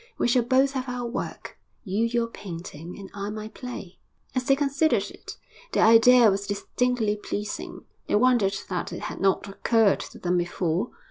We shall both have our work you your painting, and I my play.' As they considered it, the idea was distinctly pleasing; they wondered that it had not occurred to them before.